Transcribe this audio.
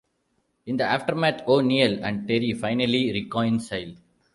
In the aftermath, O'Neill and Terry finally reconcile.